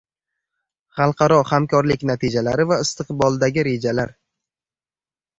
Xalqaro hamkorlik natijalari va istiqboldagi rejalar